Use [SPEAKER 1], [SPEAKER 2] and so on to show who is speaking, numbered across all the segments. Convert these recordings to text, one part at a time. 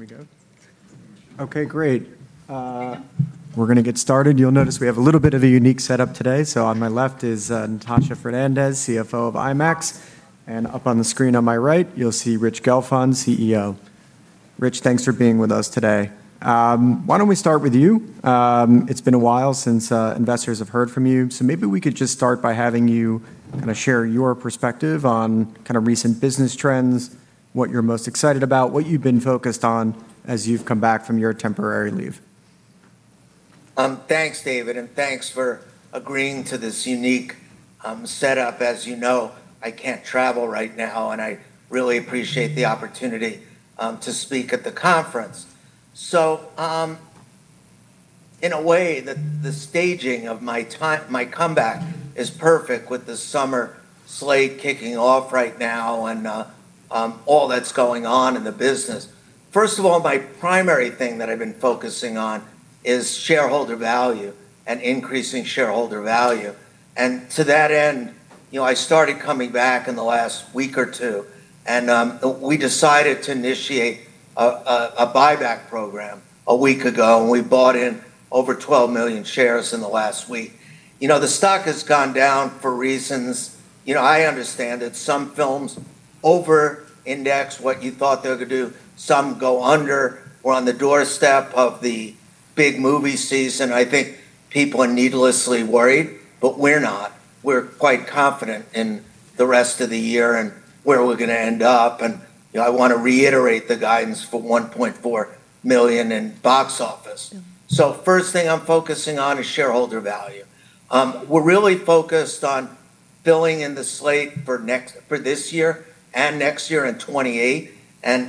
[SPEAKER 1] Can we go? Okay, great. We're gonna get started. You'll notice we have a little bit of a unique setup today. On my left is Natasha Fernandes, CFO of IMAX, and up on the screen on my right, you'll see Rich Gelfond, CEO. Rich, thanks for being with us today. Why don't we start with you? It's been a while since investors have heard from you, maybe we could just start by having you kinda share your perspective on kinda recent business trends, what you're most excited about, what you've been focused on as you've come back from your temporary leave.
[SPEAKER 2] Thanks, David, and thanks for agreeing to this unique setup. As you know, I can't travel right now, and I really appreciate the opportunity to speak at the conference. In a way, the staging of my comeback is perfect with the summer slate kicking off right now, and all that's going on in the business. First of all, my primary thing that I've been focusing on is shareholder value and increasing shareholder value. To that end, you know, I started coming back in the last week or two, and we decided to initiate a buyback program a week ago, and we bought in over 12 million shares in the last week. You know, the stock has gone down for reasons. You know, I understand it. Some films overindex what you thought they were gonna do. Some go under. We're on the doorstep of the big movie season. I think people are needlessly worried, but we're not. We're quite confident in the rest of the year and where we're gonna end up. You know, I wanna reiterate the guidance for $1.4 million in box office. First thing I'm focusing on is shareholder value. We're really focused on filling in the slate for this year and next year in 2028.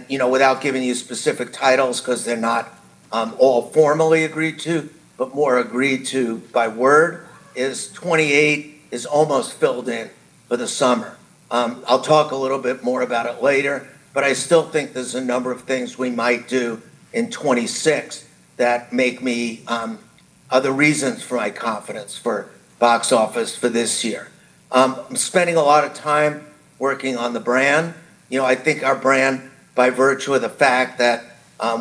[SPEAKER 2] You know, without giving you specific titles, 'cause they're not all formally agreed to, but more agreed to by word, is 2028 is almost filled in for the summer. I'll talk a little bit more about it later, but I still think there's a number of things we might do in 2026 that make me other reasons for my confidence for box office for this year. I'm spending a lot of time working on the brand. You know, I think our brand, by virtue of the fact that,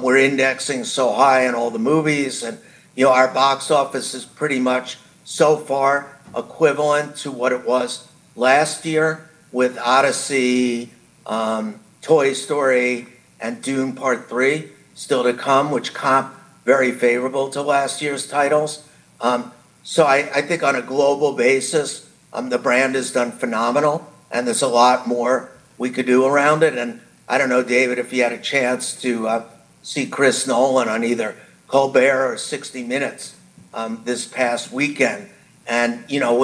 [SPEAKER 2] we're indexing so high in all the movies, and, you know, our box office is pretty much so far equivalent to what it was last year with Odyssey, Toy Story and Dune Part Three still to come, which comp very favorable to last year's titles. I think on a global basis, the brand has done phenomenal, and there's a lot more we could do around it. I don't know, David, if you had a chance to see Chris Nolan on either Colbert or 60 Minutes this past weekend. You know,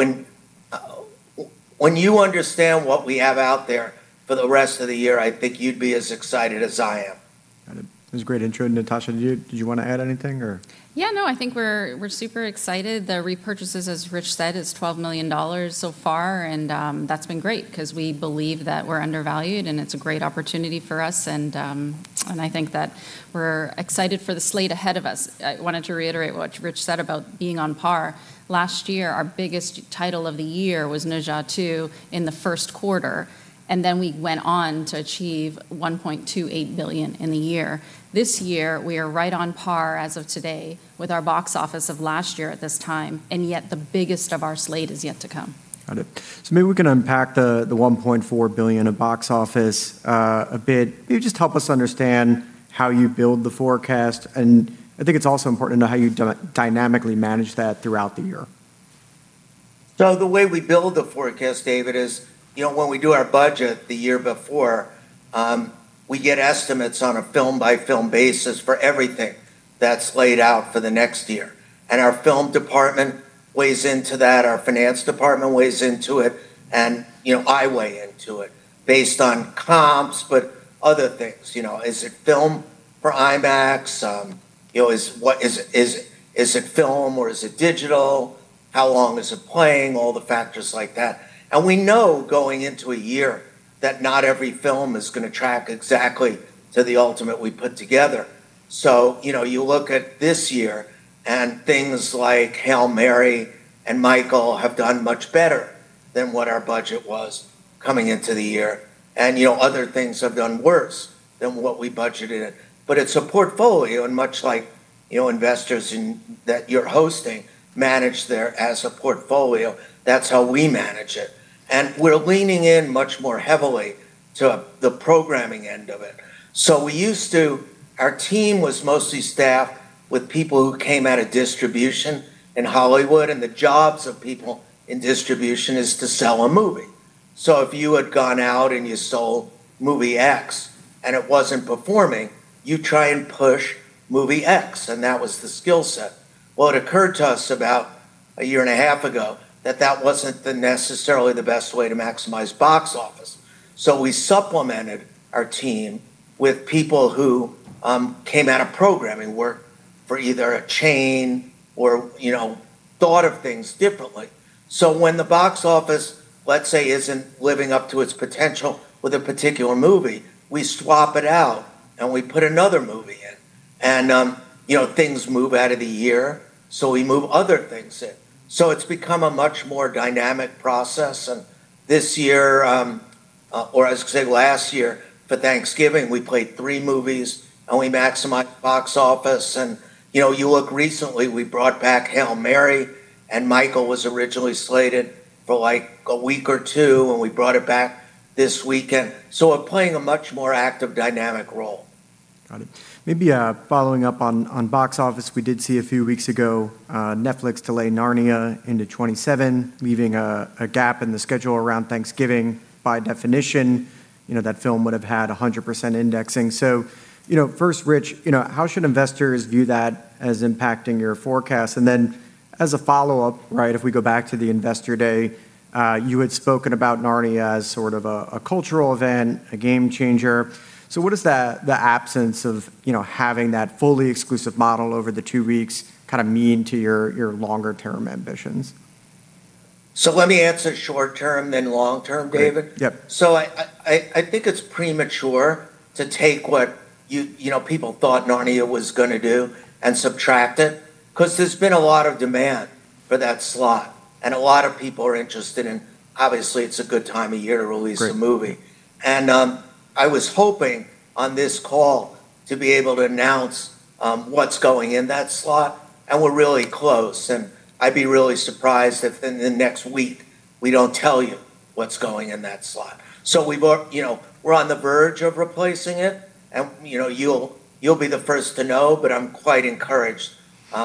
[SPEAKER 2] when you understand what we have out there for the rest of the year, I think you'd be as excited as I am.
[SPEAKER 3] Got it. It was a great intro. Natasha, do you wanna add anything or?
[SPEAKER 4] Yeah, no, I think we're super excited. The repurchases, as Rich said, is $12 million so far, that's been great because we believe that we're undervalued, and it's a great opportunity for us. I think that we're excited for the slate ahead of us. I wanted to reiterate what Rich said about being on par. Last year, our biggest title of the year was Ne Zha 2 in the first quarter, then we went on to achieve $1.28 billion in the year. This year, we are right on par as of today with our box office of last year at this time, yet the biggest of our slate is yet to come.
[SPEAKER 3] Got it. Maybe we can unpack the $1.4 billion of box office a bit. Maybe just help us understand how you build the forecast, and I think it's also important to know how you dynamically manage that throughout the year.
[SPEAKER 2] The way we build the forecast, David, is, you know, when we do our budget the year before, we get estimates on a film-by-film basis for everything that's laid out for the next year. Our film department weighs into that, our finance department weighs into it, and, you know, I weigh into it based on comps, but other things. You know, is it film for IMAX? You know, is it film or is it digital? How long is it playing? All the factors like that. We know going into a year that not every film is gonna track exactly to the ultimate we put together. You know, you look at this year and things like Hail Mary and Michael have done much better than what our budget was coming into the year. You know, other things have done worse than what we budgeted. It's a portfolio, and much like, you know, investors in, that you're hosting manage their as a portfolio, that's how we manage it. We're leaning in much more heavily to the programming end of it. We used to, our team was mostly staffed with people who came out of distribution in Hollywood, and the jobs of people in distribution is to sell a movie. If you had gone out and you sold movie X and it wasn't performing, you try and push movie X, and that was the skill set. It occurred to us about a year and a half ago that that wasn't the necessarily the best way to maximize box office. We supplemented our team with people who came out of programming work for either a chain or, you know, thought of things differently. When the box office, let's say, isn't living up to its potential with a particular movie, we swap it out and we put another movie in. And, you know, things move out of the year, we move other things in. It's become a much more dynamic process and this year, or I should say last year for Thanksgiving, we played three movies and we maximized box office. You know, you look recently we brought back Hail Mary and Michael was originally slated for like one week or two, and we brought it back this weekend. We're playing a much more active dynamic role.
[SPEAKER 3] Got it. Maybe, following up on box office, we did see a few weeks ago, Netflix delay Narnia into 2027, leaving a gap in the schedule around Thanksgiving. By definition, you know, that film would've had 100% indexing. First Rich, you know, how should investors view that as impacting your forecast? As a follow-up, right, if we go back to the Investor Day, you had spoken about Narnia as sort of a cultural event, a game changer. What does the absence of, you know, having that fully exclusive model over the two weeks kind of mean to your longer term ambitions?
[SPEAKER 2] Let me answer short term then long term, David.
[SPEAKER 3] Great. Yeah.
[SPEAKER 2] I think it's premature to take what you know, people thought Narnia was gonna do and subtract it, cause there's been a lot of demand for that slot and a lot of people are interested in, obviously it's a good time of year to release-
[SPEAKER 3] Great
[SPEAKER 2] a movie. I was hoping on this call to be able to announce what's going in that slot, and we're really close, and I'd be really surprised if in the next week we don't tell you what's going in that slot. You know, we're on the verge of replacing it and, you know, you'll be the first to know, but I'm quite encouraged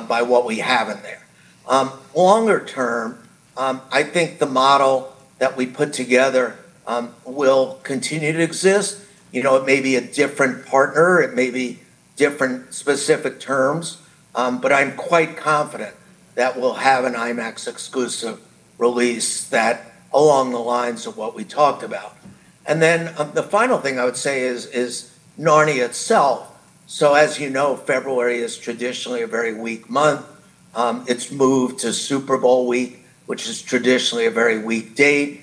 [SPEAKER 2] by what we have in there. Longer term, I think the model that we put together will continue to exist. You know, it may be a different partner, it may be different specific terms, but I'm quite confident that we'll have an IMAX exclusive release that along the lines of what we talked about. The final thing I would say is Narnia itself. As you know, February is traditionally a very weak month. It's moved to Super Bowl week, which is traditionally a very weak date.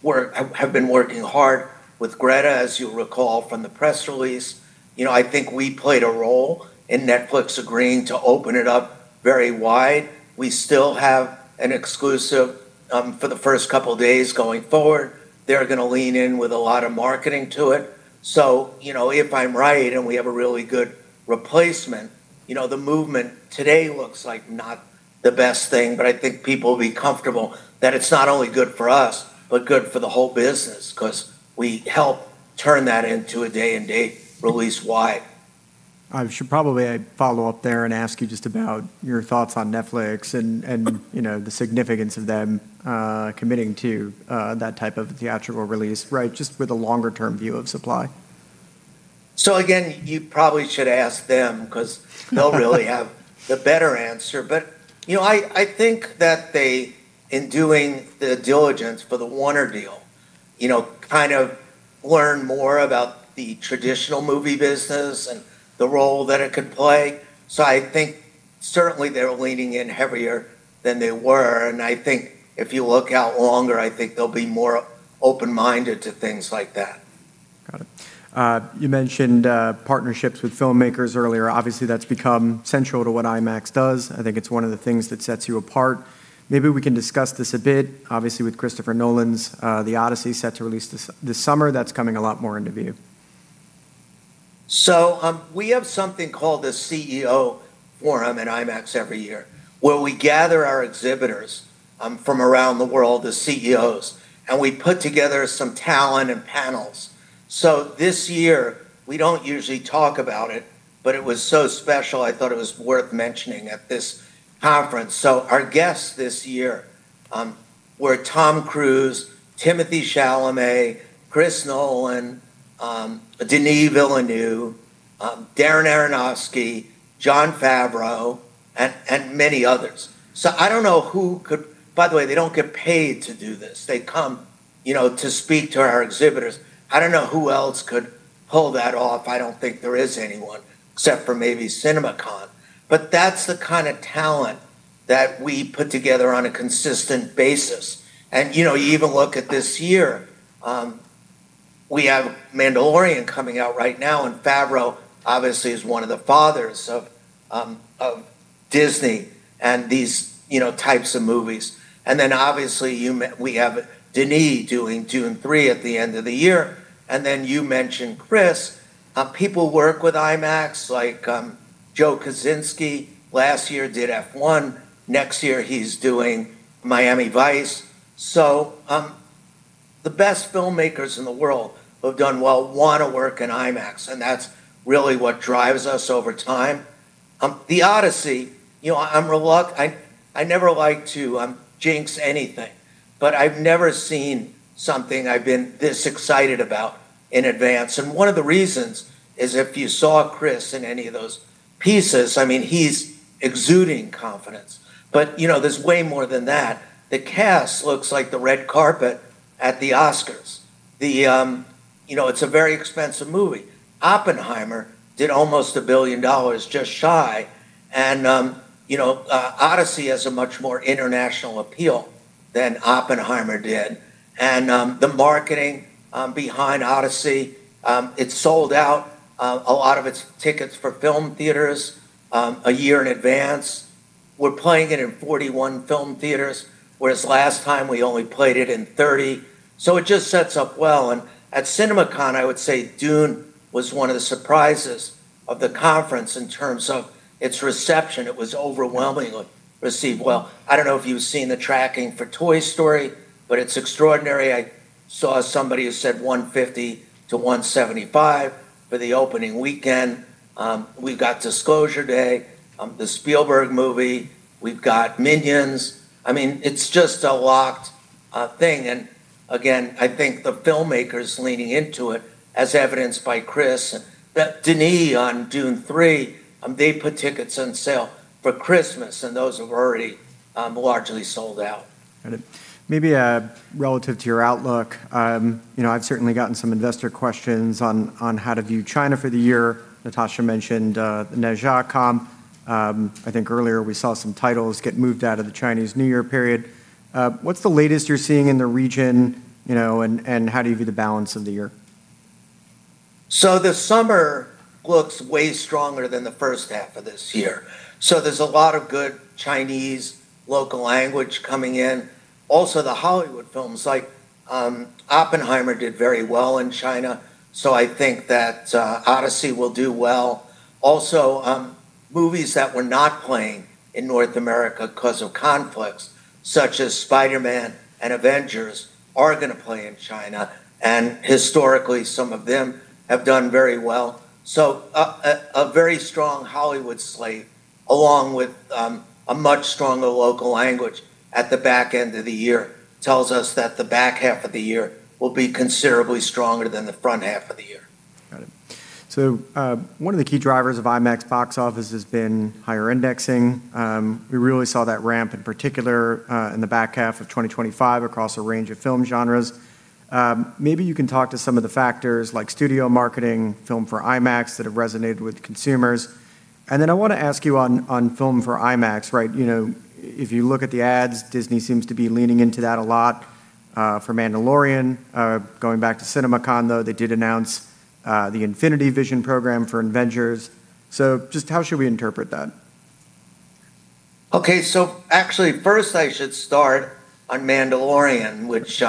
[SPEAKER 2] We have been working hard with Greta, as you'll recall from the press release. I think we played a role in Netflix agreeing to open it up very wide. We still have an exclusive for the first couple days going forward. They're gonna lean in with a lot of marketing to it. If I'm right and we have a really good replacement, you know, the movement today looks like not the best thing, but I think people will be comfortable that it's not only good for us, but good for the whole business 'cause we help turn that into a day and date release wide.
[SPEAKER 3] I should probably follow up there and ask you just about your thoughts on Netflix and, you know, the significance of them committing to that type of theatrical release, right? Just with a longer term view of supply.
[SPEAKER 2] Again, you probably should ask them 'cause- they'll really have the better answer. You know, I think that they, in doing the diligence for the Warner deal, you know, kind of learned more about the traditional movie business and the role that it could play. I think certainly they're leaning in heavier than they were, and I think if you look out longer, I think they'll be more open-minded to things like that.
[SPEAKER 3] Got it. You mentioned partnerships with filmmakers earlier. Obviously that's become central to what IMAX does. I think it's one of the things that sets you apart. Maybe we can discuss this a bit. Obviously with Christopher Nolan's The Odyssey set to release this summer, that's coming a lot more into view.
[SPEAKER 2] We have something called the CEO Forum at IMAX every year where we gather our exhibitors from around the world, the CEOs, and we put together some talent and panels. This year we don't usually talk about it, but it was so special I thought it was worth mentioning at this conference. Our guests this year were Tom Cruise, Timothée Chalamet, Christopher Nolan, Denis Villeneuve, Darren Aronofsky, Jon Favreau and many others. I don't know who could. By the way, they don't get paid to do this. They come, you know, to speak to our exhibitors. I don't know who else could pull that off. I don't think there is anyone except for maybe CinemaCon. That's the kind of talent that we put together on a consistent basis. You know, you even look at this year, we have Mandalorian coming out right now, and Jon Favreau obviously is one of the fathers of Disney and these, you know, types of movies. Obviously we have Denis Villeneuve doing Dune Three at the end of the year, then you mentioned Christopher Nolan. People work with IMAX, like, Joseph Kosinski last year did F1, next year he's doing Miami Vice. The best filmmakers in the world who have done well wanna work in IMAX, and that's really what drives us over time. The Odyssey, you know, I never like to jinx anything, but I've never seen something I've been this excited about in advance. One of the reasons is if you saw Christopher Nolan in any of those pieces, I mean, he's exuding confidence. You know, there's way more than that. The cast looks like the red carpet at the Oscars. You know, it's a very expensive movie. Oppenheimer did almost $1 billion just shy. You know, Odyssey has a much more international appeal than Oppenheimer did. The marketing behind Odyssey, it sold out a lot of its tickets for film theaters a year in advance. We're playing it in 41 film theaters, whereas last time we only played it in 30. It just sets up well. At CinemaCon, I would say Dune was one of the surprises of the conference in terms of its reception. It was overwhelmingly received well. I don't know if you've seen the tracking for Toy Story, it's extraordinary. I saw somebody who said $150 million-$175 million for the opening weekend. We've got Disclosure Day, the Spielberg movie. We've got Minions. I mean, it's just a locked thing. Again, I think the filmmakers leaning into it, as evidenced by Chris and Denis on Dune Three, they put tickets on sale for Christmas, and those have already largely sold out.
[SPEAKER 3] Got it. Maybe, relative to your outlook, you know, I've certainly gotten some investor questions on how to view China for the year. Natasha mentioned, Ne Zha Comp. I think earlier we saw some titles get moved out of the Chinese New Year period. What's the latest you're seeing in the region, you know, and how do you view the balance of the year?
[SPEAKER 2] The summer looks way stronger than the first half of this year. There's a lot of good Chinese local language coming in. Also, the Hollywood films like, Oppenheimer did very well in China. I think that, The Odyssey will do well. Also, movies that were not playing in North America because of conflicts such as Spider-Man and Avengers are gonna play in China. Historically, some of them have done very well. A very strong Hollywood slate along with, a much stronger local language at the back end of the year tells us that the back half of the year will be considerably stronger than the front half of the year.
[SPEAKER 3] Got it. One of the key drivers of IMAX box office has been higher indexing. We really saw that ramp in particular in the back half of 2025 across a range of film genres. Maybe you can talk to some of the factors like studio marketing, film for IMAX that have resonated with consumers. I wanna ask you on film for IMAX, right? You know, if you look at the ads, Disney seems to be leaning into that a lot for Mandalorian. Going back to CinemaCon, though, they did announce the Infinity Vision program for Avengers. Just how should we interpret that?
[SPEAKER 2] Okay. Actually, first I should start on Mandalorian, which, you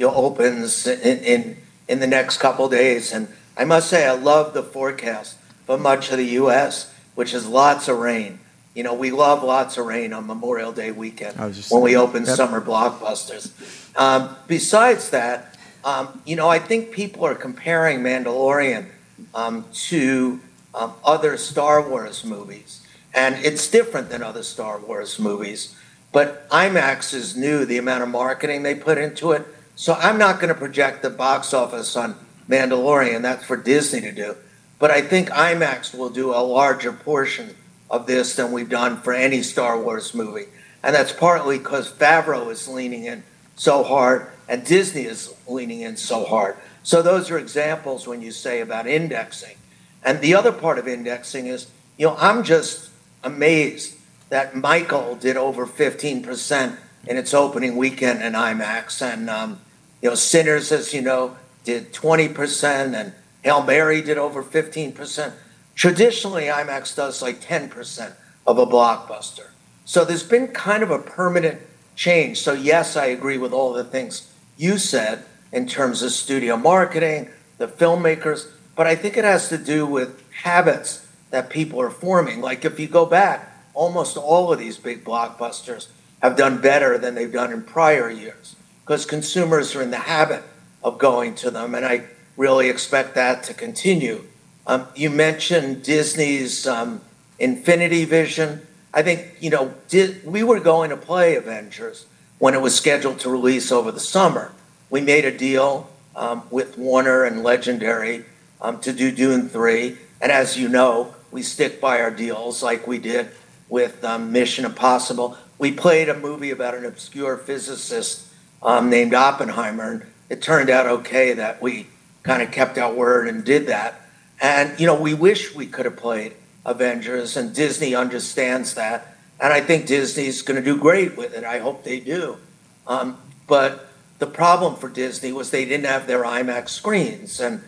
[SPEAKER 2] know, opens in the next couple days. I must say I love the forecast for much of the U.S., which is lots of rain. You know, we love lots of rain on Memorial Day weekend.
[SPEAKER 3] I was just-
[SPEAKER 2] when we open summer blockbusters. Besides that, you know, I think people are comparing Mandalorian to other Star Wars movies, and it's different than other Star Wars movies. IMAX is new, the amount of marketing they put into it. I'm not gonna project the box office on Mandalorian. That's for Disney to do. I think IMAX will do a larger portion of this than we've done for any Star Wars movie, and that's partly 'cause Favreau is leaning in so hard and Disney is leaning in so hard. Those are examples when you say about indexing. The other part of indexing is, you know, I'm just amazed that Michael did over 15% in its opening weekend in IMAX. You know, Sing 2, as you know, did 20%, and Hail Mary did over 15%. Traditionally, IMAX does, like, 10% of a blockbuster. There's been kind of a permanent change. Yes, I agree with all the things you said in terms of studio marketing, the filmmakers, but I think it has to do with habits that people are forming. Like, if you go back, almost all of these big blockbusters have done better than they've done in prior years 'cause consumers are in the habit of going to them, and I really expect that to continue. You mentioned Disney's Avengers: Infinity War. I think, you know, We were going to play Avengers when it was scheduled to release over the summer. We made a deal with Warner and Legendary to do Dune Three. As you know, we stick by our deals like we did with Mission Impossible. We played a movie about an obscure physicist named Oppenheimer. It turned out okay that we kinda kept our word and did that. You know, we wish we could have played Avengers, and Disney understands that, and I think Disney's gonna do great with it. I hope they do. The problem for Disney was they didn't have their IMAX screens and,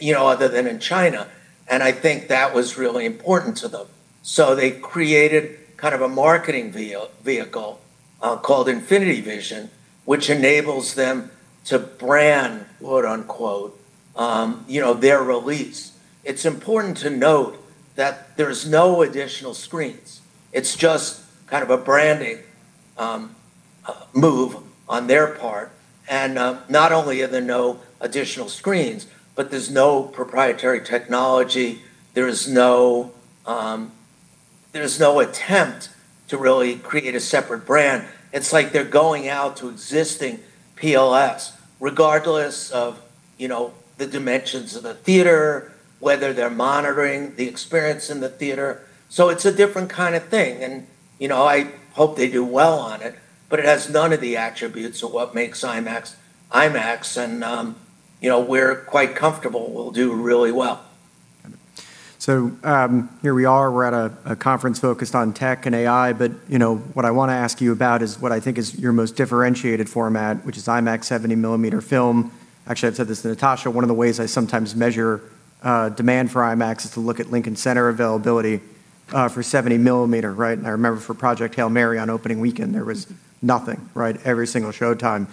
[SPEAKER 2] you know, other than in China, and I think that was really important to them. They created kind of a marketing vehicle called Infinity Vision, which enables them to brand, quote-unquote, you know, their release. It's important to note that there's no additional screens. It's just kind of a branding move on their part. Not only are there no additional screens, but there's no proprietary technology. There is no, there is no attempt to really create a separate brand. It's like they're going out to existing PLF regardless of, you know, the dimensions of the theater, whether they're monitoring the experience in the theater. It's a different kind of thing and, you know, I hope they do well on it, but it has none of the attributes of what makes IMAX IMAX. You know, we're quite comfortable we'll do really well.
[SPEAKER 3] Here we are. We're at a conference focused on tech and AI, you know, what I want to ask you about is what I think is your most differentiated format, which is IMAX 70 millimeter film. Actually, I've said this to Natasha Fernandes, one of the ways I sometimes measure demand for IMAX is to look at Lincoln Center availability for 70 mm, right? I remember for Project Hail Mary on opening weekend, there was nothing, right? Every single showtime.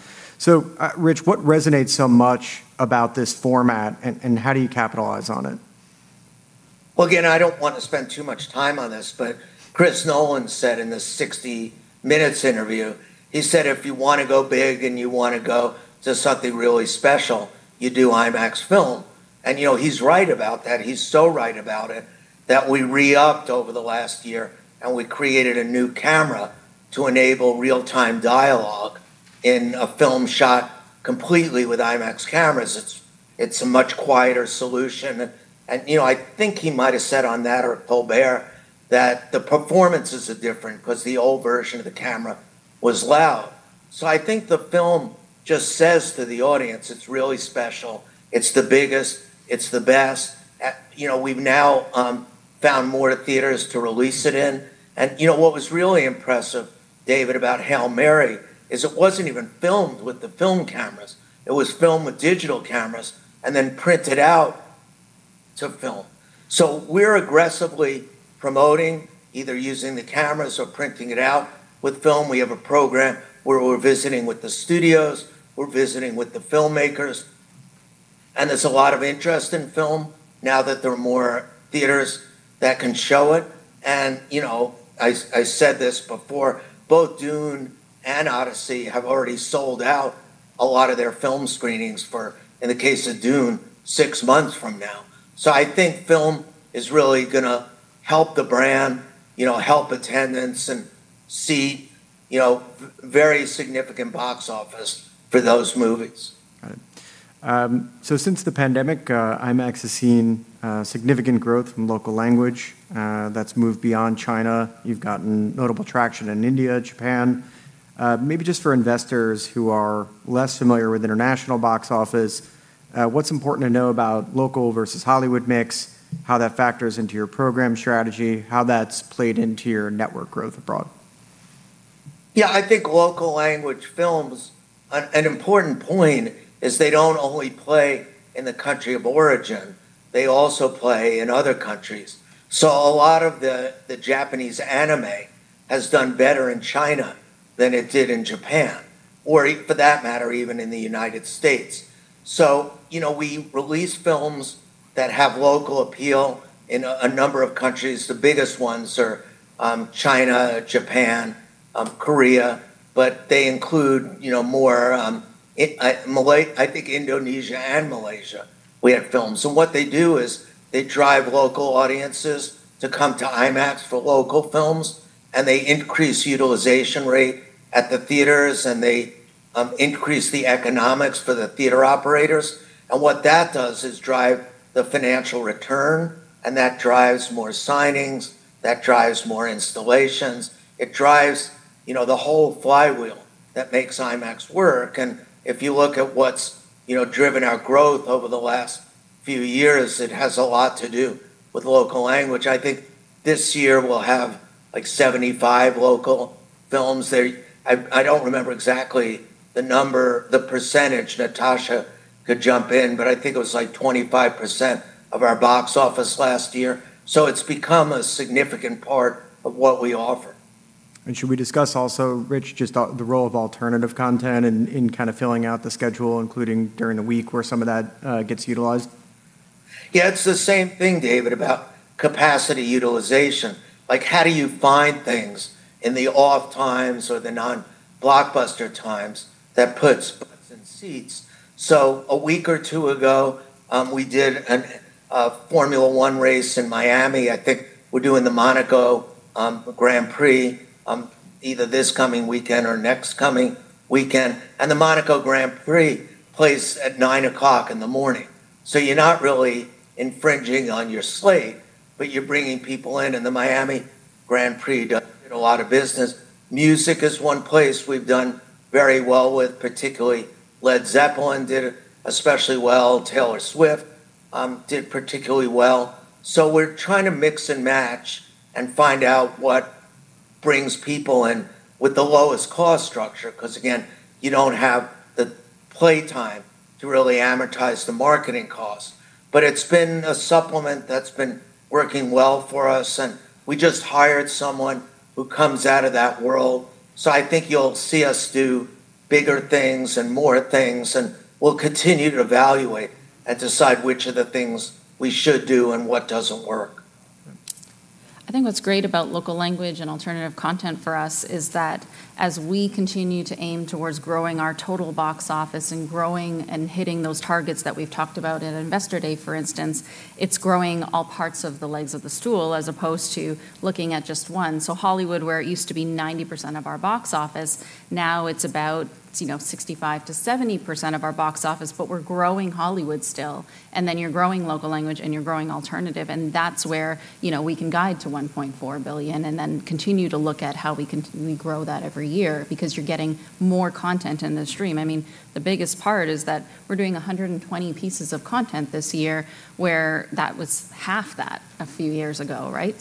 [SPEAKER 3] Rich, what resonates so much about this format and how do you capitalize on it?
[SPEAKER 2] Well, again, I don't want to spend too much time on this, Christopher Nolan said in the 60 Minutes interview, "If you wanna go big and you wanna go to something really special, you do IMAX film." You know, he's right about that. He's so right about it that we re-upped over the last year and we created a new camera to enable real-time dialogue in a film shot completely with IMAX cameras. It's a much quieter solution. You know, I think he might've said on that or at Colbert that the performances are different because the old version of the camera was loud. I think the film just says to the audience, it's really special. It's the biggest, it's the best. You know, we've now found more theaters to release it in. You know, what was really impressive, David, about Hail Mary is it wasn't even filmed with the film cameras. It was filmed with digital cameras and then printed out to film. We're aggressively promoting either using the cameras or printing it out. With film, we have a program where we're visiting with the studios, we're visiting with the filmmakers, and there's a lot of interest in film now that there are more theaters that can show it. You know, I said this before, both Dune and Odyssey have already sold out a lot of their film screenings for, in the case of Dune, six months from now. I think film is really gonna help the brand, you know, help attendance and see, you know, very significant box office for those movies.
[SPEAKER 3] Got it. Since the pandemic, IMAX has seen significant growth from local language, that's moved beyond China. You've gotten notable traction in India, Japan. Maybe just for investors who are less familiar with international box office, what's important to know about local versus Hollywood mix, how that factors into your program strategy, how that's played into your network growth abroad?
[SPEAKER 2] Yeah, I think local language films, an important point is they don't only play in the country of origin, they also play in other countries. A lot of the Japanese anime has done better in China than it did in Japan, or for that matter, even in the United States. You know, we release films that have local appeal in a number of countries. The biggest ones are China, Japan, Korea, but they include, you know, more, I think Indonesia and Malaysia, we have films. What they do is they drive local audiences to come to IMAX for local films, and they increase utilization rate at the theaters, and they increase the economics for the theater operators. What that does is drive the financial return, and that drives more signings, that drives more installations. It drives, you know, the whole flywheel that makes IMAX work. If you look at what's, you know, driven our growth over the last few years, it has a lot to do with local language. I think this year we'll have like 75 local films there. I don't remember exactly the number, the percentage. Natasha could jump in, but I think it was like 25% of our box office last year. It's become a significant part of what we offer.
[SPEAKER 3] Should we discuss also, Rich, just the role of alternative content in kind of filling out the schedule, including during the week where some of that gets utilized?
[SPEAKER 2] Yeah, it's the same thing, David, about capacity utilization. Like how do you find things in the off times or the non-blockbuster times that puts butts in seats? A week or two ago, we did a Formula One race in Miami. I think we're doing the Monaco Grand Prix either this coming weekend or next coming weekend. The Monaco Grand Prix plays at 9:00 A.M. in the morning. You're not really infringing on your slate, but you're bringing people in, and the Miami Grand Prix does a lot of business. Music is one place we've done very well with, particularly Led Zeppelin did especially well. Taylor Swift did particularly well. We're trying to mix and match and find out what brings people in with the lowest cost structure. Again, you don't have the play time to really amortize the marketing costs. It's been a supplement that's been working well for us, and we just hired someone who comes out of that world. I think you'll see us do bigger things and more things, and we'll continue to evaluate and decide which of the things we should do and what doesn't work.
[SPEAKER 4] I think what's great about local language and alternative content for us is that as we continue to aim towards growing our total box office and growing and hitting those targets that we've talked about at Investor Day, for instance, it's growing all parts of the legs of the stool as opposed to looking at just one. Hollywood, where it used to be 90% of our box office, now it's about, you know, 65%-70% of our box office, but we're growing Hollywood still. You're growing local language and you're growing alternative, and that's where, you know, we can guide to $1.4 billion and then continue to look at how we grow that every year because you're getting more content in the stream. I mean, the biggest part is that we're doing 120 pieces of content this year where that was half that a few years ago, right?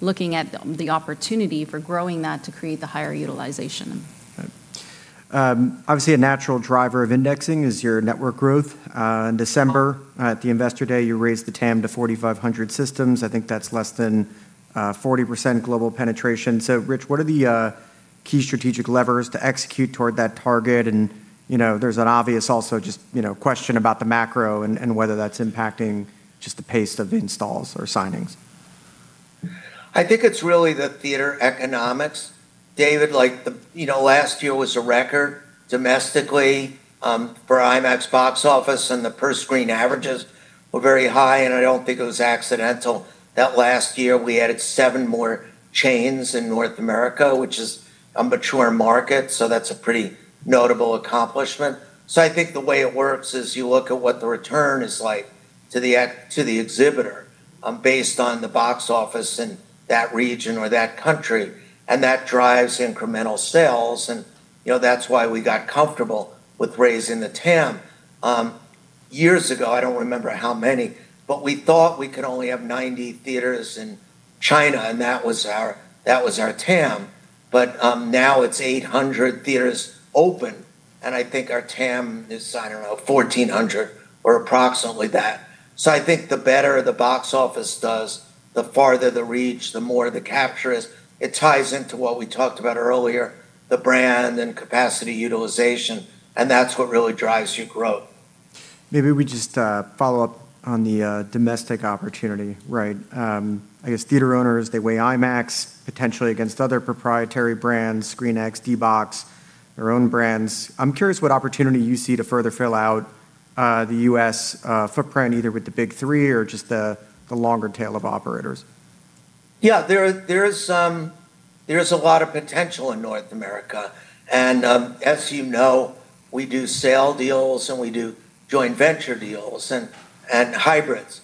[SPEAKER 4] Looking at the opportunity for growing that to create the higher utilization.
[SPEAKER 3] Obviously a natural driver of indexing is your network growth. In December at the Investor Day, you raised the TAM to 4,500 systems. I think that's less than 40% global penetration. Rich, what are the key strategic levers to execute toward that target? You know, there's an obvious also just, you know, question about the macro and whether that's impacting just the pace of installs or signings.
[SPEAKER 2] I think it's really the theater economics. David, like you know, last year was a record domestically for IMAX box office, and the per-screen averages were very high, and I don't think it was accidental that last year we added seven more chains in North America, which is a mature market, so that's a pretty notable accomplishment. I think the way it works is you look at what the return is like to the exhibitor, based on the box office in that region or that country, and that drives incremental sales and, you know, that's why we got comfortable with raising the TAM. Years ago, I don't remember how many, but we thought we could only have 90 theaters in China, and that was our TAM. Now it's 800 theaters open, and I think our TAM is, I don't know, 1,400 or approximately that. I think the better the box office does, the farther the reach, the more the capture is. It ties into what we talked about earlier, the brand and capacity utilization, and that's what really drives your growth.
[SPEAKER 3] Maybe we just follow up on the domestic opportunity, right? I guess theater owners, they weigh IMAX potentially against other proprietary brands, ScreenX, D-BOX, their own brands. I'm curious what opportunity you see to further fill out the U.S. footprint, either with the big three or just the longer tail of operators.
[SPEAKER 2] Yeah. There is a lot of potential in North America. As you know, we do sale deals, and we do joint venture deals and hybrids.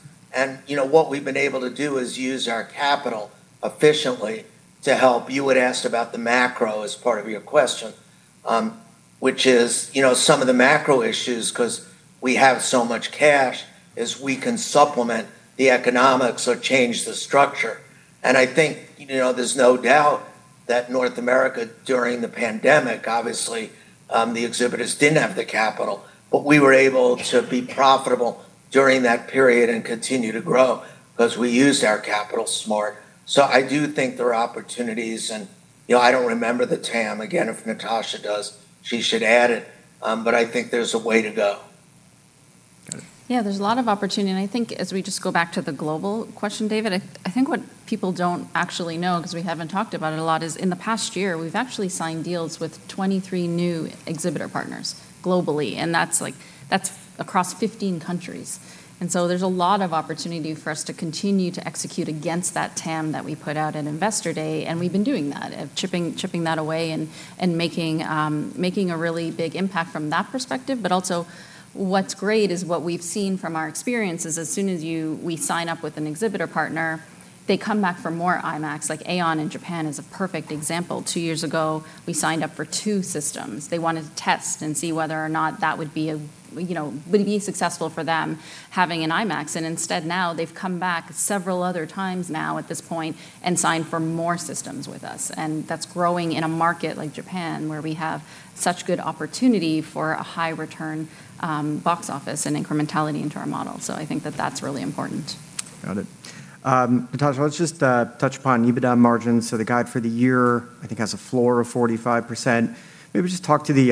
[SPEAKER 2] You know, what we've been able to do is use our capital efficiently to help. You had asked about the macro as part of your question, which is, you know, some of the macro issues, 'cause we have so much cash, is we can supplement the economics or change the structure. I think, you know, there's no doubt that North America during the pandemic, obviously, the exhibitors didn't have the capital. We were able to be profitable during that period and continue to grow 'cause we used our capital smart. I do think there are opportunities and, you know, I don't remember the TAM. Again, if Natasha does, she should add it. I think there's a way to go.
[SPEAKER 3] Got it.
[SPEAKER 4] Yeah, there's a lot of opportunity. I think as we just go back to the global question, David, I think what people don't actually know, 'cause we haven't talked about it a lot, is in the past year, we've actually signed deals with 23 new exhibitor partners globally. That's like, that's across 15 countries. There's a lot of opportunity for us to continue to execute against that TAM that we put out at Investor Day. We've been doing that, chipping that away, making a really big impact from that perspective. Also what's great is what we've seen from our experience is as soon as we sign up with an exhibitor partner, they come back for more IMAX. Like Aeon in Japan is a perfect example. Two years ago, we signed up for two systems. They wanted to test and see whether or not that would be a, you know, would be successful for them having an IMAX. Instead, now they've come back several other times now at this point and signed for more systems with us, and that's growing in a market like Japan where we have such good opportunity for a high return, box office and incrementality into our model. I think that that's really important.
[SPEAKER 3] Got it. Natasha, let's just touch upon EBITDA margins. The guide for the year, I think, has a floor of 45%. Maybe just talk to the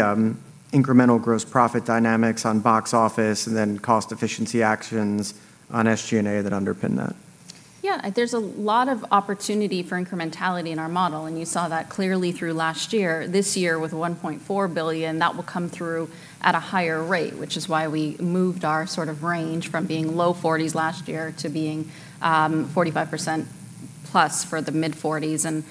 [SPEAKER 3] incremental gross profit dynamics on box office and then cost efficiency actions on SG&A that underpin that.
[SPEAKER 4] Yeah. There's a lot of opportunity for incrementality in our model. You saw that clearly through last year. This year, with $1.4 billion, that will come through at a higher rate, which is why we moved our sort of range from being low 40%s last year to being 45%+ for the mid-40s.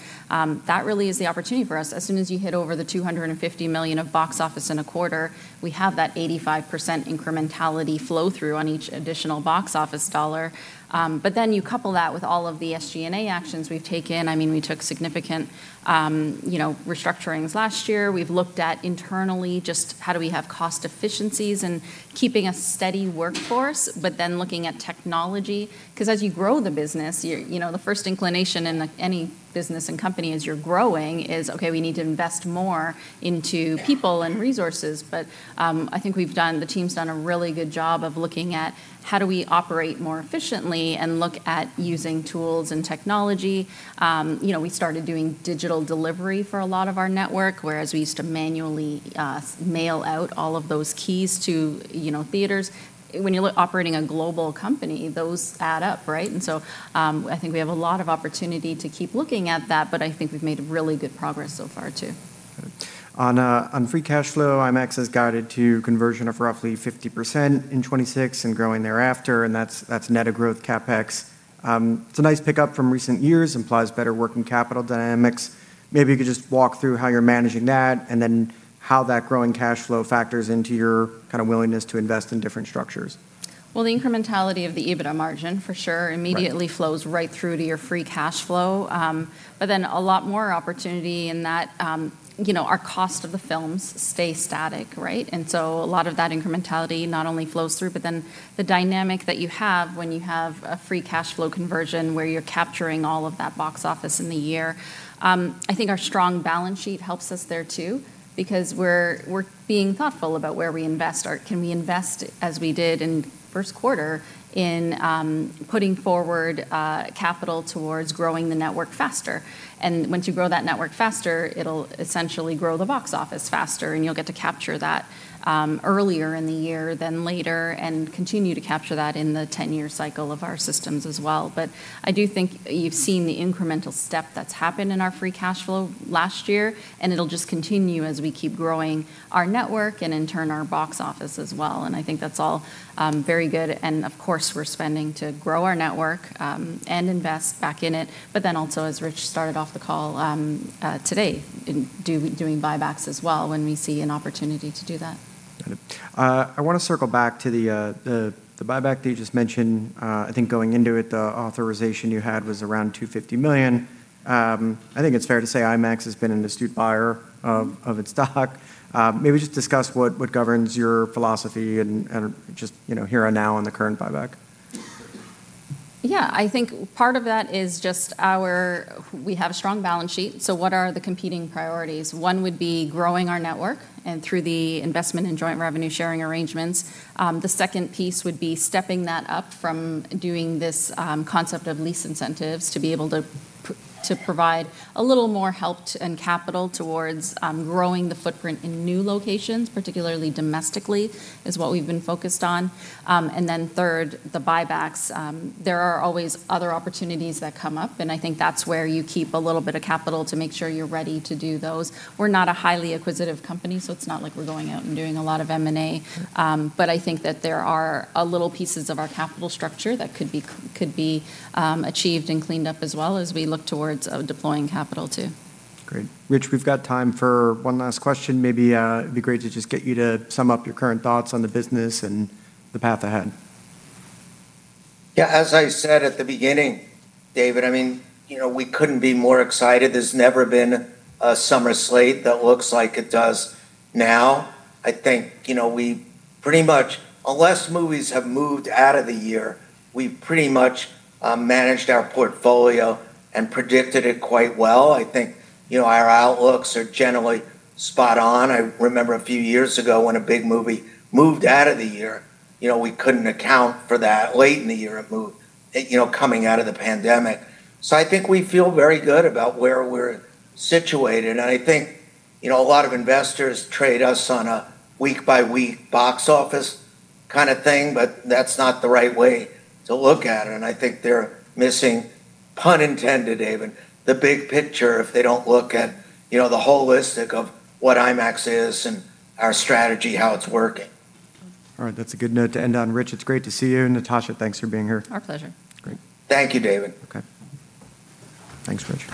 [SPEAKER 4] That really is the opportunity for us. As soon as you hit over the $250 million of box office in a quarter, we have that 85% incrementality flow-through on each additional box office dollar. You couple that with all of the SG&A actions we've taken. I mean, we took significant, you know, restructurings last year. We've looked at internally just how do we have cost efficiencies and keeping a steady workforce, looking at technology. As you grow the business, you know, the first inclination in, like, any business and company as you're growing is, okay, we need to invest more into people and resources. I think the team's done a really good job of looking at how do we operate more efficiently and look at using tools and technology. You know, we started doing digital delivery for a lot of our network, whereas we used to manually mail out all of those keys to, you know, theaters. When you're operating a global company, those add up, right? I think we have a lot of opportunity to keep looking at that, but I think we've made really good progress so far too.
[SPEAKER 3] On free cash flow, IMAX has guided to conversion of roughly 50% in 2026 and growing thereafter, and that's net of growth CapEx. It's a nice pickup from recent years, implies better working capital dynamics. Maybe you could just walk through how you're managing that and then how that growing cash flow factors into your kind of willingness to invest in different structures.
[SPEAKER 4] Well, the incrementality of the EBITDA margin, for sure-
[SPEAKER 3] Right
[SPEAKER 4] immediately flows right through to your free cash flow. A lot more opportunity in that, you know, our cost of the films stay static, right? A lot of that incrementality not only flows through, but then the dynamic that you have when you have a free cash flow conversion where you're capturing all of that box office in the year. I think our strong balance sheet helps us there too because we're being thoughtful about where we invest. Can we invest, as we did in first quarter, putting forward capital towards growing the network faster. Once you grow that network faster, it'll essentially grow the box office faster, and you'll get to capture that earlier in the year than later, and continue to capture that in the 10-year cycle of our systems as well. I do think you've seen the incremental step that's happened in our free cashflow last year, and it'll just continue as we keep growing our network, and in turn our box office as well. I think that's all very good. Of course, we're spending to grow our network and invest back in it. Also, as Rich started off the call today in doing buybacks as well when we see an opportunity to do that.
[SPEAKER 3] Got it. I wanna circle back to the buyback that you just mentioned. I think going into it, the authorization you had was around $250 million. I think it's fair to say IMAX has been an astute buyer of its stock. Maybe just discuss what governs your philosophy and just, you know, here and now in the current buyback.
[SPEAKER 4] I think part of that is just we have a strong balance sheet. What are the competing priorities? One would be growing our network, through the investment and joint revenue sharing arrangements. The second piece would be stepping that up from doing this concept of lease incentives to be able to provide a little more help and capital towards growing the footprint in new locations, particularly domestically, is what we've been focused on. Third, the buybacks. There are always other opportunities that come up. I think that's where you keep a little bit of capital to make sure you're ready to do those. We're not a highly acquisitive company. It's not like we're going out and doing a lot of M&A. I think that there are a little pieces of our capital structure that could be achieved and cleaned up as well as we look towards deploying capital too.
[SPEAKER 3] Great. Rich, we've got time for one last question. Maybe, it'd be great to just get you to sum up your current thoughts on the business and the path ahead.
[SPEAKER 2] As I said at the beginning, David, we couldn't be more excited. There has never been a summer slate that looks like it does now. We pretty much unless movies have moved out of the year, we have pretty much managed our portfolio and predicted it quite well. Our outlooks are generally spot on. I remember a few years ago when a big movie moved out of the year, we couldn't account for that late in the year it moved, coming out of the pandemic. We feel very good about where we are situated. A lot of investors trade us on a week-by-week box office kinda thing, but that is not the right way to look at it. I think they're missing, pun intended, David, the big picture if they don't look at, you know, the holistic of what IMAX is and our strategy, how it's working.
[SPEAKER 3] All right. That's a good note to end on. Rich, it's great to see you. Natasha, thanks for being here.
[SPEAKER 4] Our pleasure.
[SPEAKER 3] Great.
[SPEAKER 2] Thank you, David.
[SPEAKER 3] Okay. Thanks, Rich